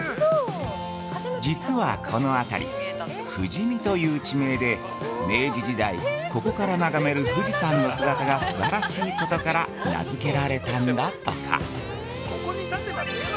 ◆実はこの辺り富士見という地名で明治時代、ここから眺める富士山の姿が素晴らしいことから名づけられたんだとか。